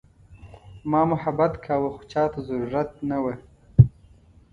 ما محبت کاوه خو چاته ضرورت نه وه.